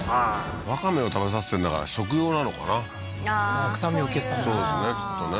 ワカメを食べさせてるんだから食用なのかな臭みを消すためそうですね